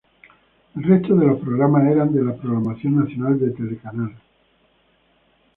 El resto de los programas eran de la programación nacional de Telecanal.